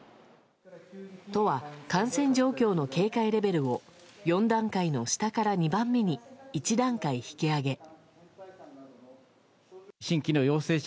都は、感染状況の警戒レベルを４段階の下から２番目に１段階、引き上げ。